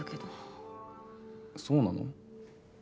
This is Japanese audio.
そうなの？